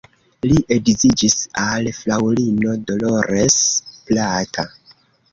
Li edziĝis al fraŭlino Dolores Plata.